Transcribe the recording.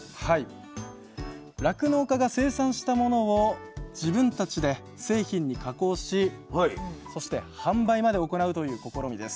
酪農家が生産したものを自分たちで製品に加工しそして販売まで行うという試みです。